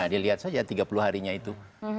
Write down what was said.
dilihat saja tiga puluh harinya itu